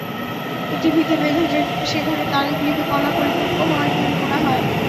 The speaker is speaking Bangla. একটি ফিতা বেঁধে সেখানে তারিখ লিখে কলা পরিপক্ব হওয়ার দিন গোনা হয়।